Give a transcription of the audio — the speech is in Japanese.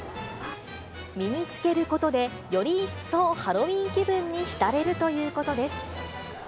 身につけることで、より一層、ハロウィーン気分に浸れるということです。